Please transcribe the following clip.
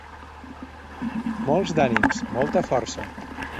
Molts d’ànims, molta força!